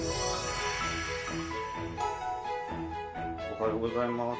おはようございます。